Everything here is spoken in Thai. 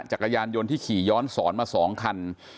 จักรยานยนต์ที่ขี่ย้อนสอนมา๒คัน